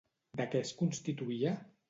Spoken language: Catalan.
De què es constituïa?